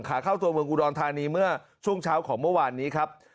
เข้าตัวเมืองอุดรธานีเมื่อช่วงเช้าของเมื่อวานนี้ครับ